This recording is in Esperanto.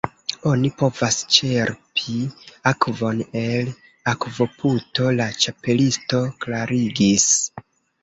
"Oni povas ĉerpi akvon el akvoputo," la Ĉapelisto klarigis.